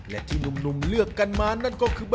อยู่ตรงหน้าเราแล้วครับผม